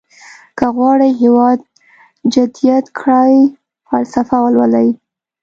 که غواړئ هېواد جديد کړئ فلسفه ولولئ.